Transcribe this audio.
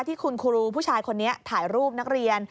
ที่คุณครูผู้ชายคนนี้ถ่ายรูปนักเรียน